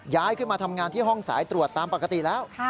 ย้ายขึ้นมาทำงานที่ห้องสายตรวจตามปกติแล้ว